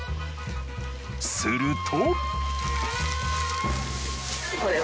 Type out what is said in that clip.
すると。